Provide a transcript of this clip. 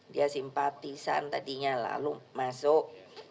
dia simpatisan tadinya lalu masuk